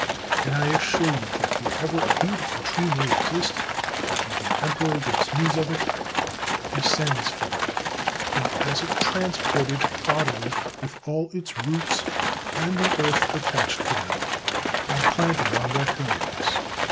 And I assure you that wherever a beautiful tree may exist and the emperor gets news of it, he sends for it and has it transported bodily with all its roots and the earth attached to them, and planted on that hill of his.